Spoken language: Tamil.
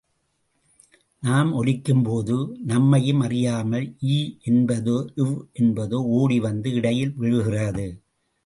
நாம் ஒலிக்கும் போது, நம்மையும் அறியாமல், ய் என்பதோ, வ் என்பதோ ஓடி வந்து இடையில் விழுகிறது.